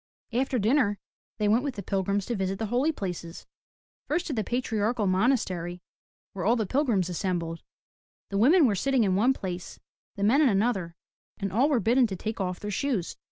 After dinner they went with the pilgrims to visit the Holy Places, — first to the Patriarchal Monastery where all the pilgrims assembled. The women were sitting in one place, the men in another and all were bidden to take off their shoes.